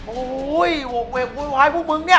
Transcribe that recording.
โอ้ยโหเว็บวายพวกมึงเนี่ย